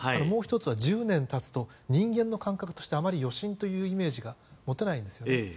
もう１つは、１０年経つと人間の感覚としてあまり余震というイメージが持てないんですね。